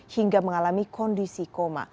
hingga mengalami kondisi koma